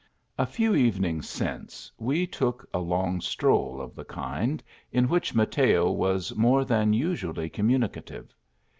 A few evenings since we took a long stroll of the kind, in which Mateo was more than usually com municative.